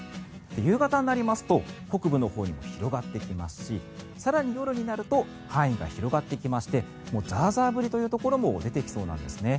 夕方になりますと北部のほうにも広がってきますし更に夜になると範囲が広がってきましてザーザー降りというところも出てきそうなんですね。